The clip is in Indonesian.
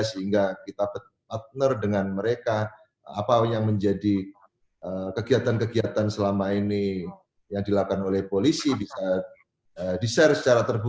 sehingga kita partner dengan mereka apa yang menjadi kegiatan kegiatan selama ini yang dilakukan oleh polisi bisa di share secara terbuka